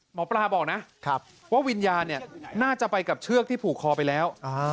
หมอปลาบอกนะว่าวิญญาณน่าจะไปกับเชือกที่ผูกคอไปแล้ว